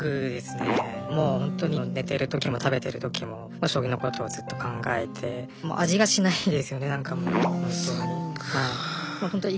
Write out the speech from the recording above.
もうほんとに寝てる時も食べてる時も将棋のことをずっと考えて味がしないですよねなんかもう本当に。